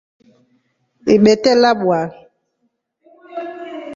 Ibite labwa.